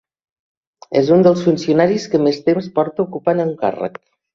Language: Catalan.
És un dels funcionaris que més temps porta ocupant un càrrec.